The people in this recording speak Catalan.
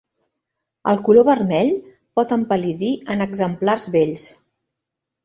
El color vermell pot empal·lidir en exemplars vells.